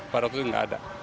padahal itu tidak ada